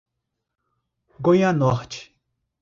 Goianorte